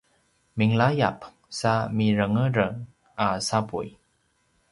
minlayap sa mirengereng a sapuy